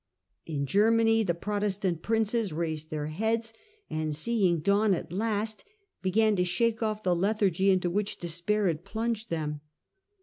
Jfa jGennany the Pro testant princes raised their heads, and seeing dawn at last, began to shake off the lethargy into which despair had plunged tjiem.